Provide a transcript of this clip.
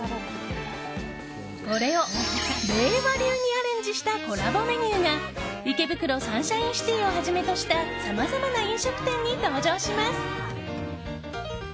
これを令和流にアレンジしたコラボメニューが池袋サンシャインシティをはじめとしたさまざまな飲食店に登場します。